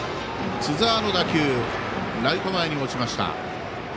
津澤の打球はライト前に落ちました。